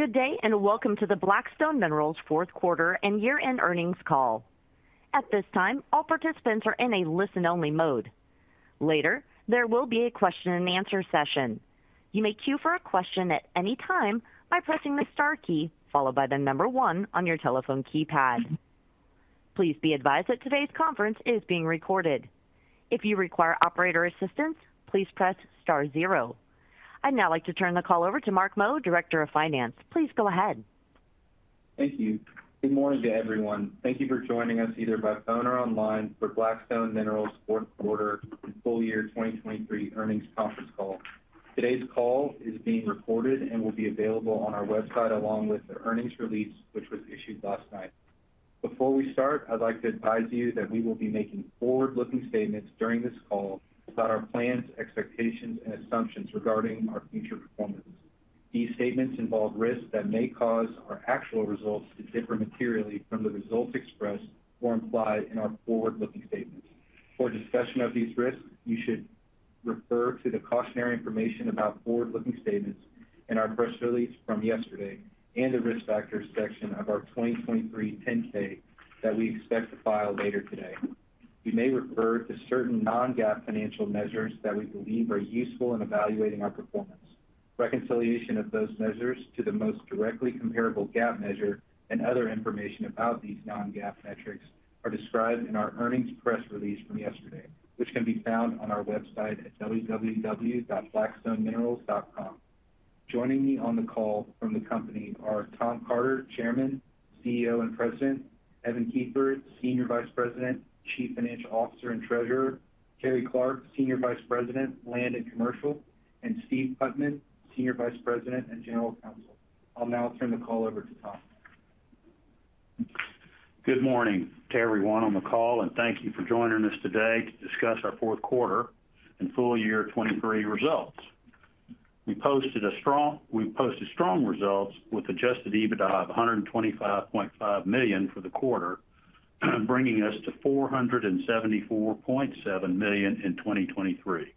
Good day and welcome to the Black Stone Minerals Fourth Quarter and Year-End Earnings Call. At this time, all participants are in a listen-only mode. Later, there will be a question-and-answer session. You may cue for a question at any time by pressing the star key followed by the number one on your telephone keypad. Please be advised that today's conference is being recorded. If you require operator assistance, please press star zero. I'd now like to turn the call over to Mark Meaux, Director of Finance. Please go ahead. Thank you. Good morning to everyone. Thank you for joining us either by phone or online for Black Stone Minerals fourth quarter and full year 2023 earnings conference call. Today's call is being recorded and will be available on our website along with the earnings release which was issued last night. Before we start, I'd like to advise you that we will be making forward-looking statements during this call about our plans, expectations, and assumptions regarding our future performance. These statements involve risks that may cause our actual results to differ materially from the results expressed or implied in our forward-looking statements. For discussion of these risks, you should refer to the cautionary information about forward-looking statements in our press release from yesterday and the risk factors section of our 2023 10-K that we expect to file later today. You may refer to certain non-GAAP financial measures that we believe are useful in evaluating our performance. Reconciliation of those measures to the most directly comparable GAAP measure and other information about these non-GAAP metrics are described in our earnings press release from yesterday, which can be found on our website at www.blackstoneminerals.com. Joining me on the call from the company are Tom Carter, Chairman, CEO and President; Evan Kiefer, Senior Vice President, Chief Financial Officer, and Treasurer; Carrie Clark, Senior Vice President, Land and Commercial; and Steve Putman, Senior Vice President and General Counsel. I'll now turn the call over to Tom. Good morning to everyone on the call, and thank you for joining us today to discuss our fourth quarter and full year 2023 results. We posted strong results with adjusted EBITDA of $125.5 million for the quarter, bringing us to $474.7 million in 2023.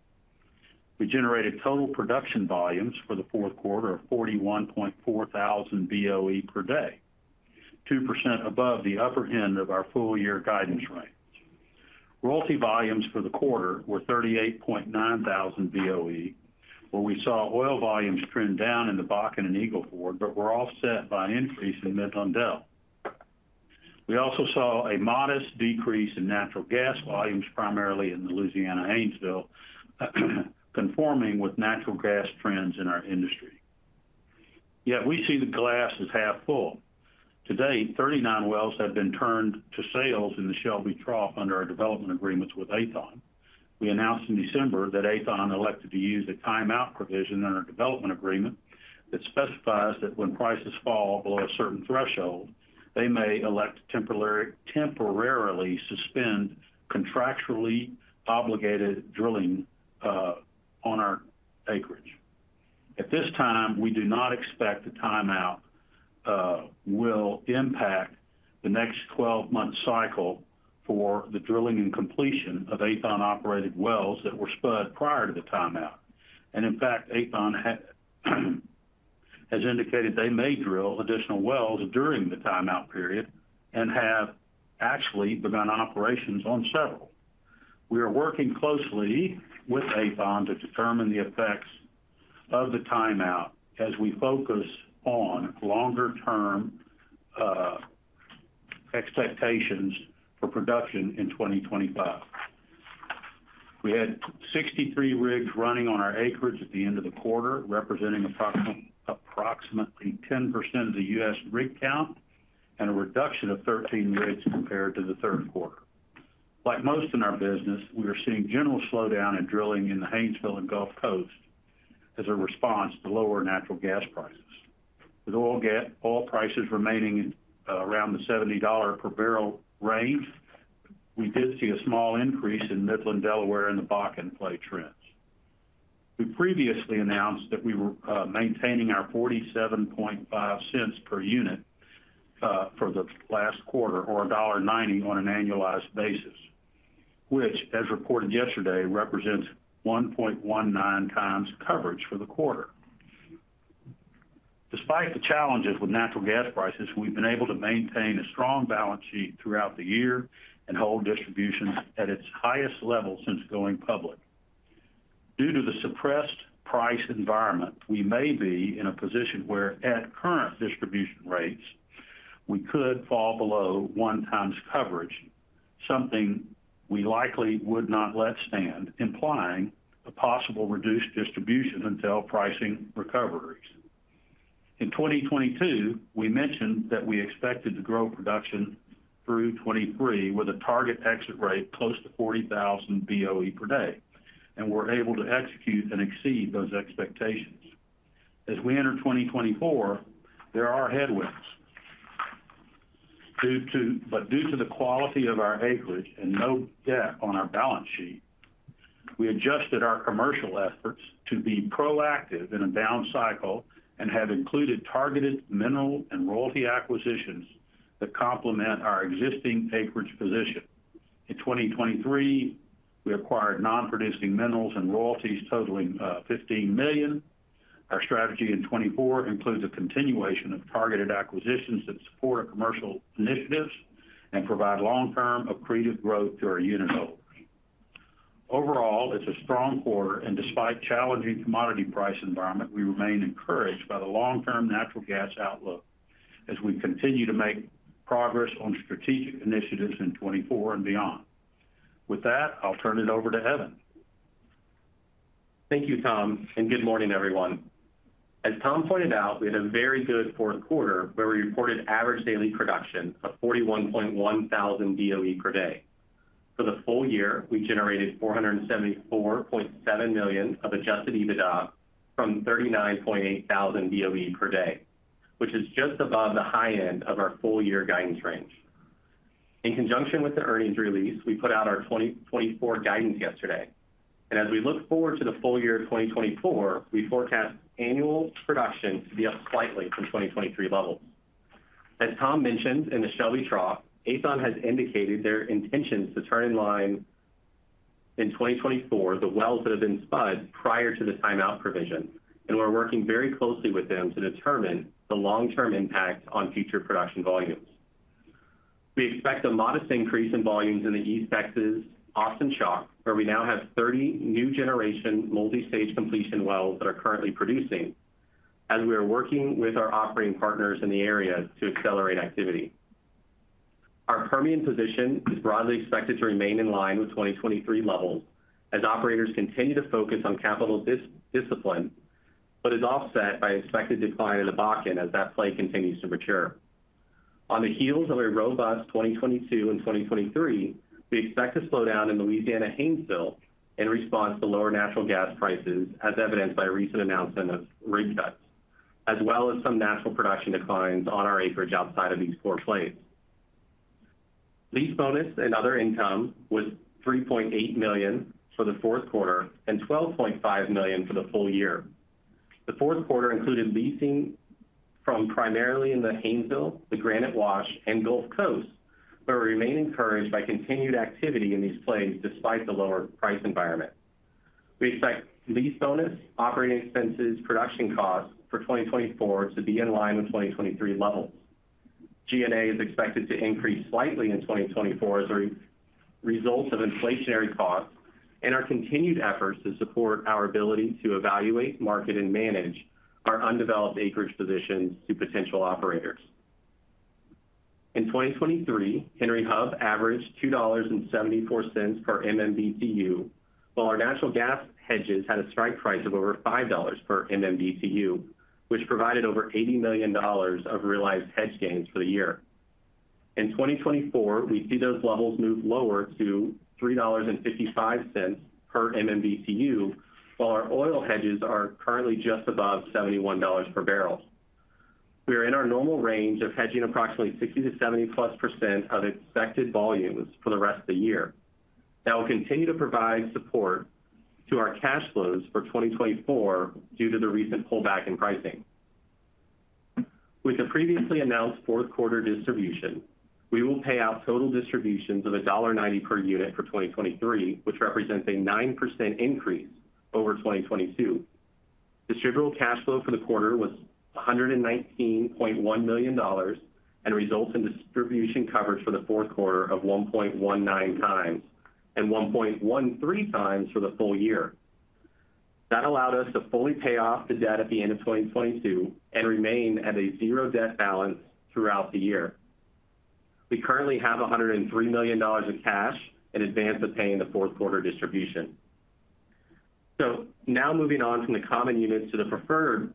We generated total production volumes for the fourth quarter of 41,400 BOE per day, 2% above the upper end of our full year guidance range. Royalty volumes for the quarter were 38,900 BOE, where we saw oil volumes trend down in the Bakken and Eagle Ford but were offset by an increase in Midland-Del. We also saw a modest decrease in natural gas volumes, primarily in the Louisiana Haynesville, conforming with natural gas trends in our industry. Yet we see the glass as half full. To date, 39 wells have been turned to sales in the Shelby Trough under our development agreements with Aethon. We announced in December that Aethon elected to use a timeout provision in our development agreement that specifies that when prices fall below a certain threshold, they may elect to temporarily suspend contractually obligated drilling on our acreage. At this time, we do not expect the timeout will impact the next 12-month cycle for the drilling and completion of Aethon-operated wells that were spud prior to the timeout. In fact, Aethon has indicated they may drill additional wells during the timeout period and have actually begun operations on several. We are working closely with Aethon to determine the effects of the timeout as we focus on longer-term expectations for production in 2025. We had 63 rigs running on our acreage at the end of the quarter, representing approximately 10% of the U.S. rig count and a reduction of 13 rigs compared to the third quarter. Like most in our business, we are seeing general slowdown in drilling in the Haynesville and Gulf Coast as a response to lower natural gas prices. With oil prices remaining around the $70 per barrel range, we did see a small increase in Midland-Delaware and the Bakken play trends. We previously announced that we were maintaining our $0.475 per unit for the last quarter, or $1.90 on an annualized basis, which, as reported yesterday, represents 1.19x coverage for the quarter. Despite the challenges with natural gas prices, we've been able to maintain a strong balance sheet throughout the year and hold distributions at its highest level since going public. Due to the suppressed price environment, we may be in a position where, at current distribution rates, we could fall below 1x coverage, something we likely would not let stand, implying a possible reduced distribution until pricing recoveries. In 2022, we mentioned that we expected to grow production through 2023 with a target exit rate close to 40,000 BOE per day, and we're able to execute and exceed those expectations. As we enter 2024, there are headwinds. But due to the quality of our acreage and no debt on our balance sheet, we adjusted our commercial efforts to be proactive in a down cycle and have included targeted mineral and royalty acquisitions that complement our existing acreage position. In 2023, we acquired non-producing minerals and royalties totaling 15 million. Our strategy in 2024 includes a continuation of targeted acquisitions that support our commercial initiatives and provide long-term accretive growth to our unit holdings. Overall, it's a strong quarter, and despite challenging commodity price environment, we remain encouraged by the long-term natural gas outlook as we continue to make progress on strategic initiatives in 2024 and beyond. With that, I'll turn it over to Evan. Thank you, Tom, and good morning, everyone. As Tom pointed out, we had a very good fourth quarter where we reported average daily production of 41,100 BOE per day. For the full year, we generated $474.7 million of Adjusted EBITDA from 39,800 BOE per day, which is just above the high end of our full year guidance range. In conjunction with the earnings release, we put out our 2024 guidance yesterday. As we look forward to the full year 2024, we forecast annual production to be up slightly from 2023 levels. As Tom mentioned in the Shelby Trough, Aethon has indicated their intentions to turn in line in 2024 the wells that have been spud prior to the timeout provision, and we're working very closely with them to determine the long-term impact on future production volumes. We expect a modest increase in volumes in the East Texas Austin Chalk, where we now have 30 new generation multi-stage completion wells that are currently producing, as we are working with our operating partners in the area to accelerate activity. Our Permian position is broadly expected to remain in line with 2023 levels as operators continue to focus on capital discipline but is offset by expected decline in the Bakken as that play continues to mature. On the heels of a robust 2022 and 2023, we expect to slow down in Louisiana Haynesville in response to lower natural gas prices, as evidenced by a recent announcement of rig cuts, as well as some natural production declines on our acreage outside of these core plays. Lease bonus and other income was $3.8 million for the fourth quarter and $12.5 million for the full year. The fourth quarter included leasing from primarily in the Haynesville, the Granite Wash, and Gulf Coast, but remained encouraged by continued activity in these plays despite the lower price environment. We expect lease bonus, operating expenses, production costs for 2024 to be in line with 2023 levels. G&A is expected to increase slightly in 2024 as a result of inflationary costs and our continued efforts to support our ability to evaluate, market, and manage our undeveloped acreage positions to potential operators. In 2023, Henry Hub averaged $2.74 per MMBtu, while our natural gas hedges had a strike price of over $5 per MMBtu, which provided over $80 million of realized hedge gains for the year. In 2024, we see those levels move lower to $3.55 per MMBtu, while our oil hedges are currently just above $71 per barrel. We are in our normal range of hedging approximately 60%-70%+ of expected volumes for the rest of the year. That will continue to provide support to our cash flows for 2024 due to the recent pullback in pricing. With the previously announced fourth quarter distribution, we will pay out total distributions of $1.90 per unit for 2023, which represents a 9% increase over 2022. Distributable cash flow for the quarter was $119.1 million and results in distribution coverage for the fourth quarter of 1.19x and 1.13x for the full year. That allowed us to fully pay off the debt at the end of 2022 and remain at a zero debt balance throughout the year. We currently have $103 million in cash in advance of paying the fourth quarter distribution. So now moving on from the common units to the preferred,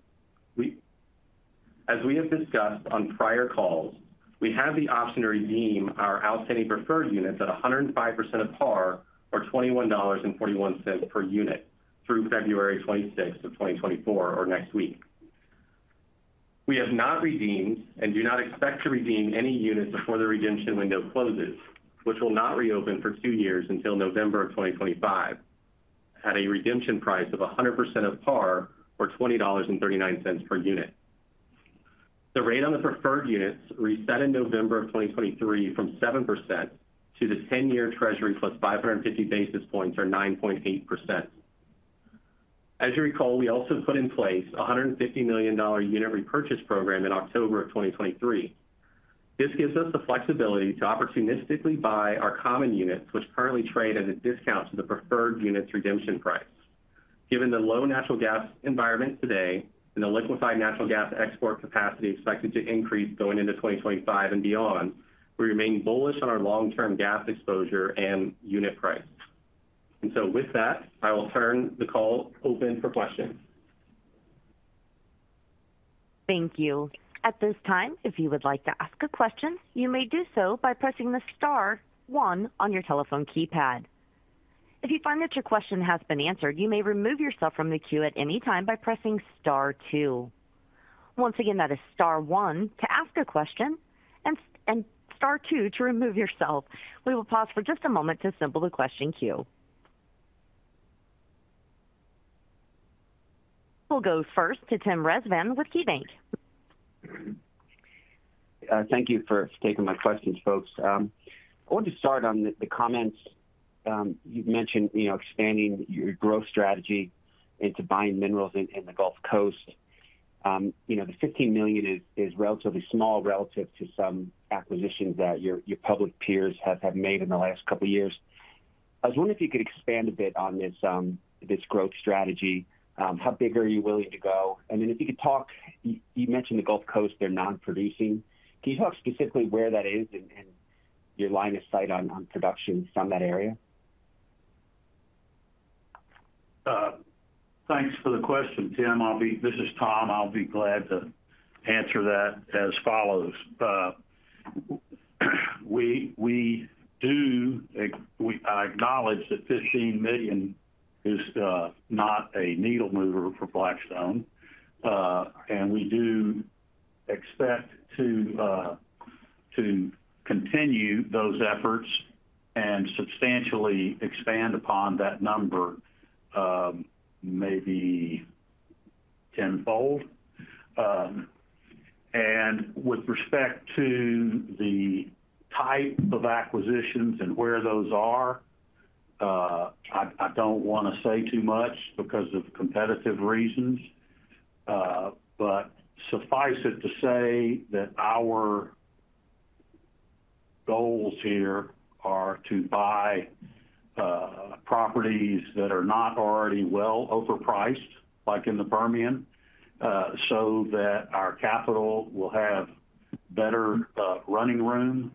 as we have discussed on prior calls, we have the option to redeem our outstanding preferred units at 105% of par or $21.41 per unit through February 26th of 2024 or next week. We have not redeemed and do not expect to redeem any units before the redemption window closes, which will not reopen for two years until November of 2025, at a redemption price of 100% of par or $20.39 per unit. The rate on the preferred units reset in November of 2023 from 7% to the 10-year treasury plus 550 basis points or 9.8%. As you recall, we also put in place a $150 million unit repurchase program in October of 2023. This gives us the flexibility to opportunistically buy our common units, which currently trade at a discount to the preferred unit's redemption price. Given the low natural gas environment today and the liquefied natural gas export capacity expected to increase going into 2025 and beyond, we remain bullish on our long-term gas exposure and unit price. And so with that, I will turn the call open for questions. Thank you. At this time, if you would like to ask a question, you may do so by pressing the star one on your telephone keypad. If you find that your question has been answered, you may remove yourself from the queue at any time by pressing star two. Once again, that is star one to ask a question and star two to remove yourself. We will pause for just a moment to assemble the question queue. We'll go first to Tim Rezvan with KeyBanc. Thank you for taking my questions, folks. I want to start on the comments. You've mentioned expanding your growth strategy into buying minerals in the Gulf Coast. The $15 million is relatively small relative to some acquisitions that your public peers have made in the last couple of years. I was wondering if you could expand a bit on this growth strategy. How big are you willing to go? And then if you could talk you mentioned the Gulf Coast. They're non-producing. Can you talk specifically where that is and your line of sight on production from that area? Thanks for the question, Tim. This is Tom. I'll be glad to answer that as follows. We do acknowledge that $15 million is not a needle mover for Black Stone, and we do expect to continue those efforts and substantially expand upon that number, maybe tenfold. And with respect to the type of acquisitions and where those are, I don't want to say too much because of competitive reasons. But suffice it to say that our goals here are to buy properties that are not already well overpriced, like in the Permian, so that our capital will have better running room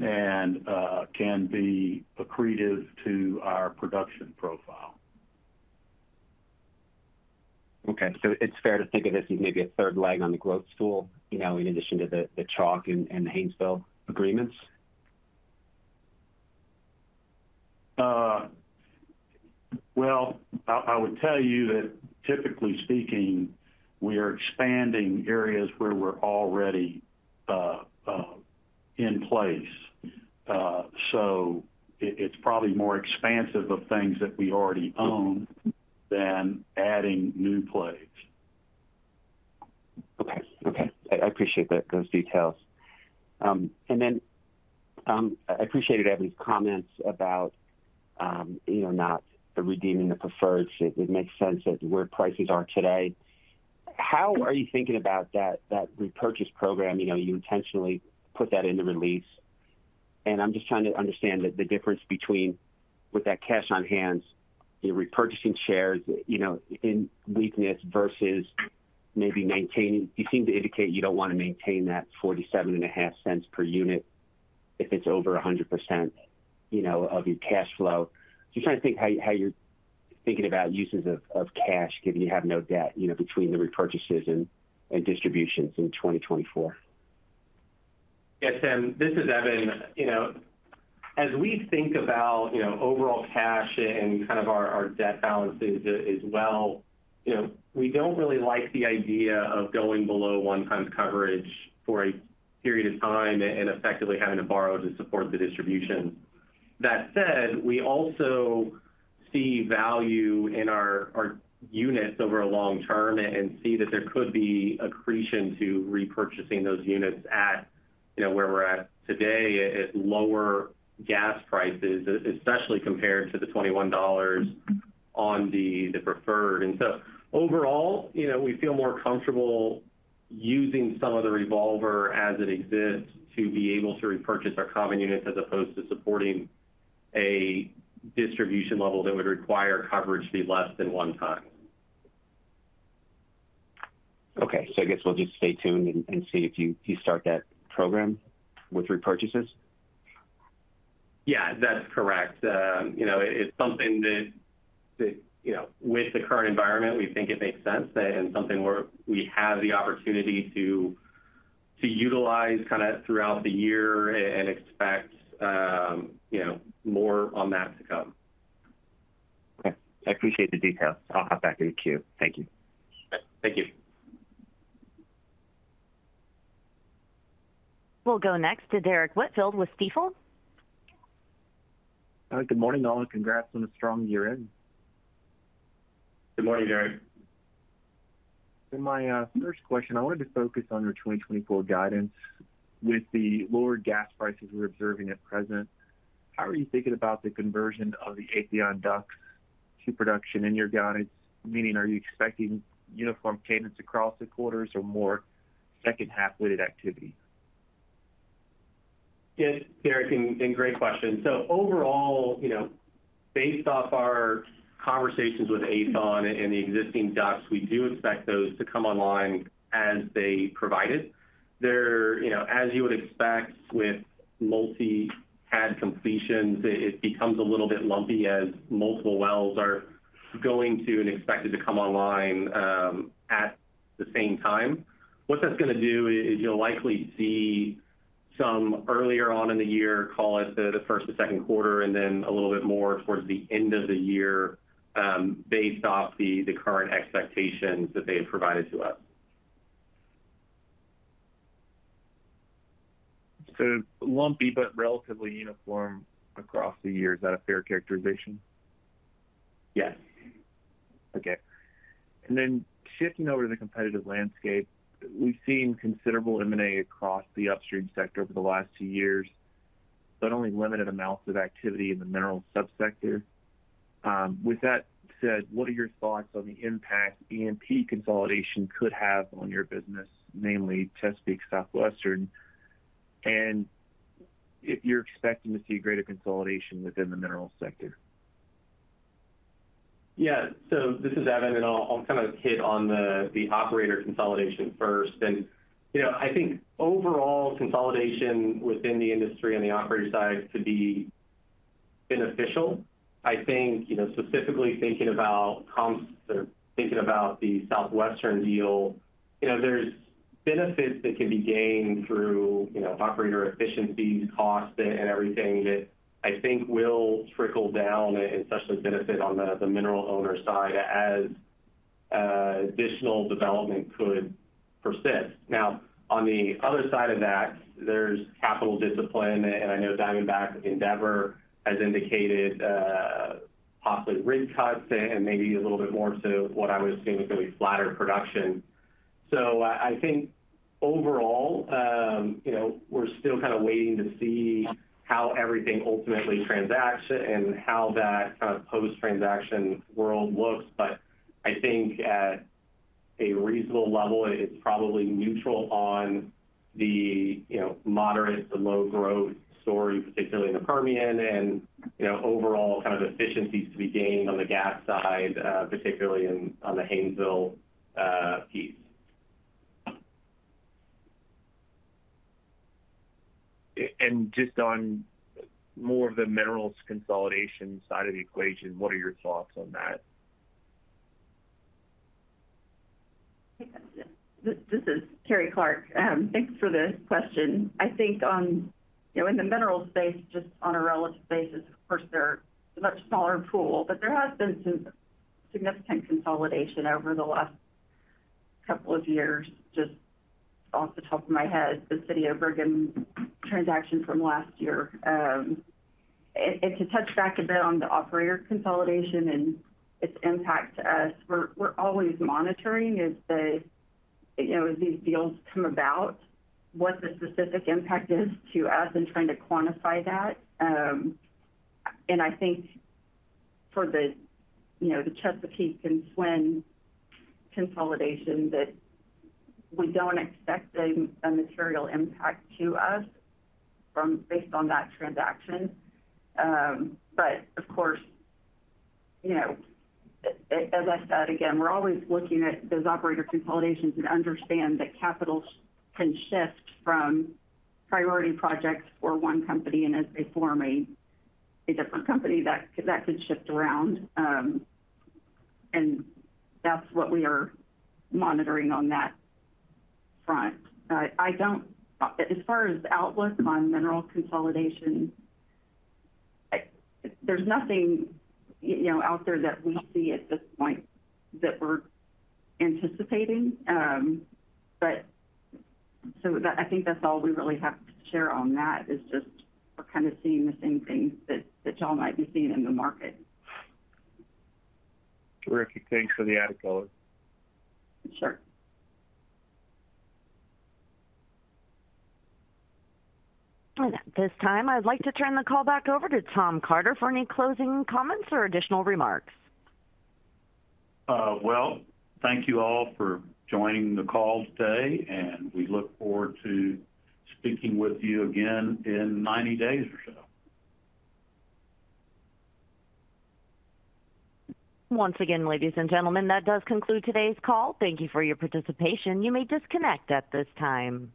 and can be accretive to our production profile. Okay. So it's fair to think of this as maybe a third leg on the growth stool in addition to the Chalk and the Haynesville agreements? Well, I would tell you that, typically speaking, we are expanding areas where we're already in place. It's probably more expansive of things that we already own than adding new plays. Okay. Okay. I appreciate those details. And then I appreciated Evan's comments about not redeeming the preferred. It makes sense at where prices are today. How are you thinking about that repurchase program? You intentionally put that in the release. And I'm just trying to understand the difference between with that cash on hand, repurchasing shares in weakness versus maybe maintaining you seem to indicate you don't want to maintain that $0.475 per unit if it's over 100% of your cash flow. So I'm trying to think how you're thinking about uses of cash, given you have no debt, between the repurchases and distributions in 2024. Yes, Tim. This is Evan. As we think about overall cash and kind of our debt balances as well, we don't really like the idea of going below 1x coverage for a period of time and effectively having to borrow to support the distributions. That said, we also see value in our units over a long term and see that there could be accretion to repurchasing those units at where we're at today at lower gas prices, especially compared to the $21 on the preferred. And so overall, we feel more comfortable using some of the revolver as it exists to be able to repurchase our common units as opposed to supporting a distribution level that would require coverage to be less than 1x. Okay. So I guess we'll just stay tuned and see if you start that program with repurchases? Yeah, that's correct. It's something that, with the current environment, we think it makes sense and something where we have the opportunity to utilize kind of throughout the year and expect more on that to come. Okay. I appreciate the details. I'll hop back in the queue. Thank you. Thank you. We'll go next to Derrick Whitfield with Stifel. Good morning, all, and congrats on a strong year-end. Good morning, Derrick. In my first question, I wanted to focus on your 2024 guidance. With the lower gas prices we're observing at present, how are you thinking about the conversion of the Aethon DUCs to production in your guidance? Meaning, are you expecting uniform cadence across the quarters or more second-half weighted activity? Yes, Derek, and great question. So overall, based off our conversations with Aethon and the existing DUCs, we do expect those to come online as they provided. As you would expect with multi-pad completions, it becomes a little bit lumpy as multiple wells are going to and expected to come online at the same time. What that's going to do is you'll likely see some earlier on in the year, call it the first or second quarter, and then a little bit more towards the end of the year based off the current expectations that they have provided to us. So lumpy but relatively uniform across the years. Is that a fair characterization? Yes. Okay. And then shifting over to the competitive landscape, we've seen considerable M&A across the upstream sector over the last two years, but only limited amounts of activity in the mineral subsector. With that said, what are your thoughts on the impact E&P consolidation could have on your business, namely Chesapeake-Southwestern, and if you're expecting to see greater consolidation within the mineral sector? Yeah. So this is Evan, and I'll kind of hit on the operator consolidation first. I think overall consolidation within the industry on the operator side could be beneficial. I think specifically thinking about or thinking about the Southwestern deal, there's benefits that can be gained through operator efficiencies, costs, and everything that I think will trickle down and especially benefit on the mineral owner side as additional development could persist. Now, on the other side of that, there's capital discipline, and I know Diamondback Endeavor has indicated possibly rig cuts and maybe a little bit more to what I would assume is going to be flatter production. So I think overall, we're still kind of waiting to see how everything ultimately transacts and how that kind of post-transaction world looks. But I think at a reasonable level, it's probably neutral on the moderate to low-growth story, particularly in the Permian, and overall kind of efficiencies to be gained on the gas side, particularly on the Haynesville piece. Just on more of the minerals consolidation side of the equation, what are your thoughts on that? This is Carrie Clark. Thanks for the question. I think in the mineral space, just on a relative basis, of course, there's a much smaller pool. But there has been some significant consolidation over the last couple of years, just off the top of my head, the Sitio Brigham transaction from last year. And to touch back a bit on the operator consolidation and its impact to us, we're always monitoring as these deals come about, what the specific impact is to us and trying to quantify that. And I think for the Chesapeake and SWN consolidation, that we don't expect a material impact to us based on that transaction. But of course, as I said, again, we're always looking at those operator consolidations and understand that capital can shift from priority projects for one company, and as they form a different company, that could shift around. And that's what we are monitoring on that front. As far as outlook on mineral consolidation, there's nothing out there that we see at this point that we're anticipating. So I think that's all we really have to share on that, is just we're kind of seeing the same things that y'all might be seeing in the market. Terrific. Thanks for the added color. Sure. At this time, I'd like to turn the call back over to Tom Carter for any closing comments or additional remarks. Well, thank you all for joining the call today, and we look forward to speaking with you again in 90 days or so. Once again, ladies and gentlemen, that does conclude today's call. Thank you for your participation. You may disconnect at this time.